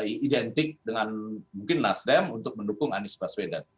identik dengan mungkin nasdem untuk mendukung anies baswedan